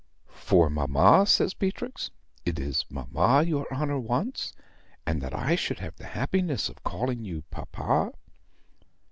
"For mamma?" says Beatrix. "It is mamma your honor wants, and that I should have the happiness of calling you papa?"